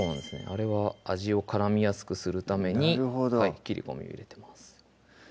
あれは味を絡みやすくするためになるほど切り込みを入れてます